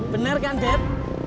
bener kan dad